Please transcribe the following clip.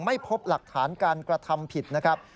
ไม่พบหลักฐานการกระทำผิดนะครับ